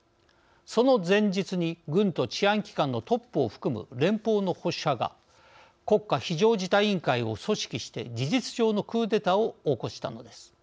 その前日に軍と治安機関のトップを含む連邦の保守派が国家非常事態委員会を組織して事実上のクーデターを起こしたのです。